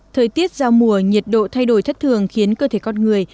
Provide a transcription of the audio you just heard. thời tiết giao mùa nhiệt độ thay đổi thất thường khiến cơ thể con người